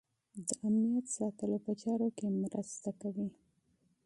د امنیت ساتلو په چارو کې مرسته کوي.